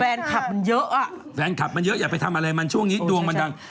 แฟนคลับมันเยอะอ่ะแฟนคลับมันเยอะอย่าไปทำอะไรมันช่วงนี้ดวงมันดัง